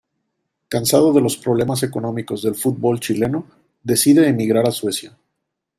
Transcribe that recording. Cansado de los problemas económicos del fútbol chileno, decide emigrar a Suecia.